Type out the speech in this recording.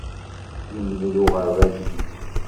Yemdel uɣerbaz-nni.